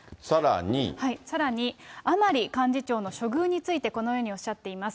さらに、甘利幹事長の処遇についてこのようにおっしゃっています。